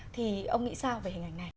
thì ông nghĩ sao về hình ảnh này